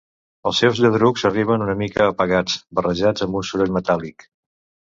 Els seus lladrucs arriben una mica apagats, barrejats amb un soroll metàl·lic.